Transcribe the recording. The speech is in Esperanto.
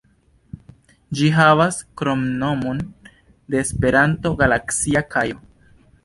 Ĝi havas kromnomon de Esperanto, "Galaksia Kajo".